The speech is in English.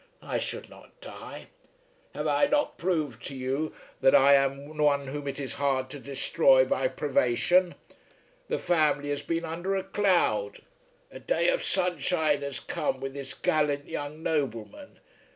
I should not die. Have I not proved to you that I am one whom it is hard to destroy by privation. The family has been under a cloud. A day of sunshine has come with this gallant young nobleman.